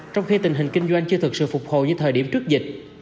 nhưng tình hình kinh doanh chưa thực sự phục hồi như thời điểm trước dịch